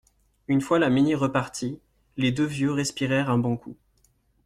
Une fois la Mini repartie, les deux vieux respirèrent un bon coup.